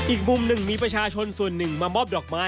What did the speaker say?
อีกมุมหนึ่งมีประชาชนส่วนหนึ่งมามอบดอกไม้